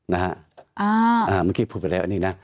เมื่อกี้พูดไปแล้วอันนี้นะ